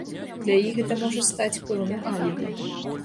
Для іх гэта можа стаць пэўным алібі.